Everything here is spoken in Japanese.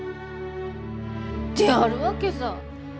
であるわけさぁ。